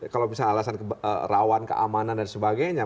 kalau misalnya alasan rawan keamanan dan sebagainya